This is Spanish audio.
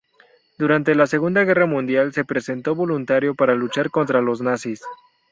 Durante la Segunda Guerra Mundial se presentó voluntario para luchar contra los nazis.